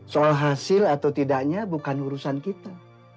soal hasil atau tidaknya bukan urusan kita